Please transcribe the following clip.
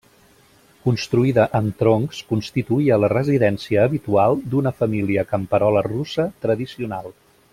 Construïda amb troncs, constituïa la residència habitual d'una família camperola russa tradicional.